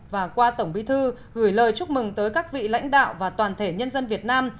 và qua tổng bí thư gửi lời chúc mừng tới các vị lãnh đạo và toàn thể nhân dân việt nam